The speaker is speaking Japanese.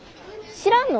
知らんの？